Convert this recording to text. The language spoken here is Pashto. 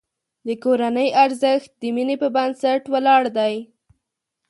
د کورنۍ ارزښت د مینې په بنسټ ولاړ دی.